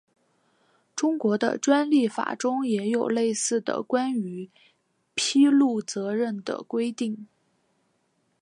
中国的专利法中也有类似的关于披露责任的规定。